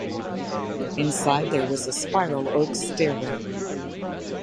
Inside there was a spiral oak stairway.